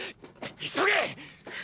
急げ！！